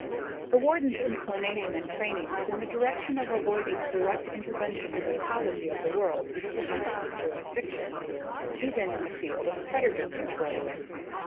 _ _The Warden's inclination and training was in the direction of avoiding direct intervention in the ecology of the worlds under his jurisdiction, even in the field of predator control.